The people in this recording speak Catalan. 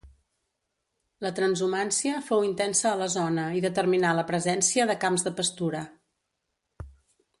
La transhumància fou intensa a la zona i determinà la presència de camps de pastura.